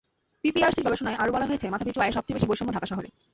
পিপিআরসির গবেষণায় আরও বলা হয়েছে, মাথাপিছু আয়ে সবচেয়ে বেশি বৈষম্য ঢাকা শহরে।